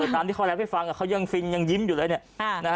ตามที่เขาแล้วให้ฟังเขายังฟินยังยิ้มอยู่เลยเนี่ย